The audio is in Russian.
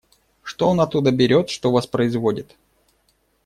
Что он оттуда берет, что воспроизводит.